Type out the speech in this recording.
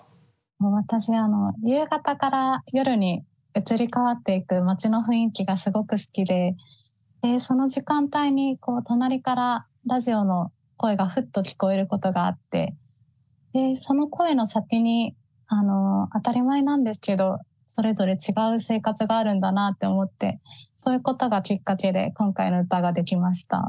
私あの夕方から夜に移り変わっていく町の雰囲気がすごく好きででその時間帯に隣からラジオの声がふっと聞こえることがあってその声の先に当たり前なんですけどそれぞれ違う生活があるんだなって思ってそういうことがきっかけで今回の歌が出来ました。